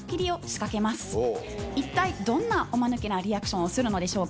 一体どんなおマヌケなリアクションをするのでしょうか？